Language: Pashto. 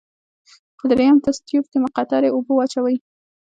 په دریم تست تیوب کې مقطرې اوبه واچوئ.